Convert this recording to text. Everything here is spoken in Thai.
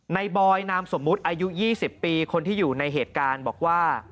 บอยนามสมมุติอายุ๒๐ปีคนที่อยู่ในเหตุการณ์บอกว่า